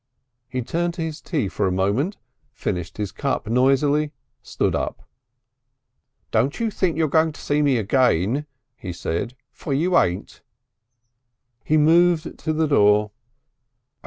He turned to his tea for a moment, finished his cup noisily, stood up. "Don't you think you're going to see me again," he said, "for you ain't." He moved to the door.